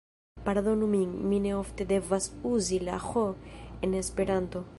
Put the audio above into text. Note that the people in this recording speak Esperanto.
Pardonu min, mi ne ofte devas uzi la ĥ en esperanto.